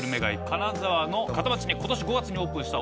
金沢の片町に今年５月にオープンした。